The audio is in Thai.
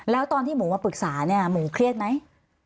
แล้วตอนที่หมูมาปรึกษาเนี่ยหมูเครียดไหม